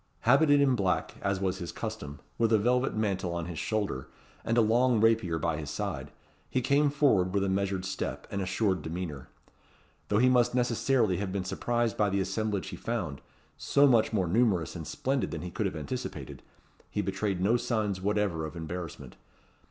Habited in black, as was his custom, with a velvet mantle on his shoulder, and a long rapier by his side, he came forward with a measured step and assured demeanour. Though he must necessarily have been surprised by the assemblage he found so much more numerous and splendid than he could have anticipated he betrayed no signs whatever of embarrassment.